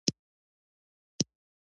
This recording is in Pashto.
آیا کاناډا یو ښه ګاونډی نه دی؟